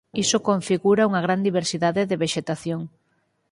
Iso configura unha gran diversidade de vexetación.